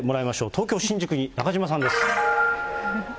東京・新宿に中島さんです。